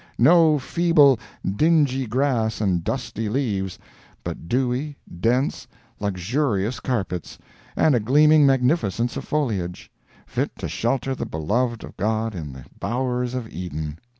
No feeble, dingy grass and dusty leaves, but dewy, dense, luxurious carpets, and a gleaming magnificence of foliage, fit to shelter the beloved of God in the bowers of Eden.